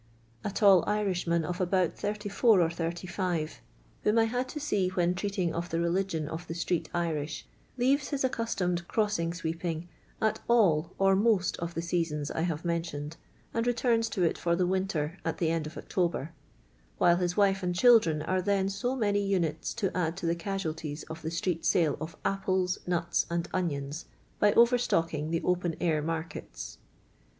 A tall Irishman of about 34 or 35 (whom I had to see when treating of the religion of the street Irish) leaves his accustomed crossing sweep ing at all or most of the seasons I have men tioned, and retui'ns to it for the winter at the end of October; while his wife and children are then so many units to add to the casualties of the street sale of apples, iiuis, and onions, by over stocking the open air markets.